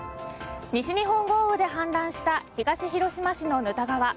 西日本豪雨で氾濫した東広島市の沼田川。